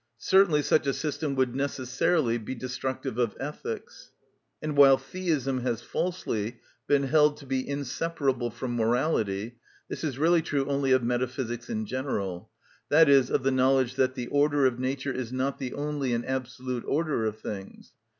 Certainly such a system would necessarily be destructive of ethics; and while Theism has falsely been held to be inseparable from morality, this is really true only of metaphysics in general, i.e., of the knowledge that the order of nature is not the only and absolute order of things.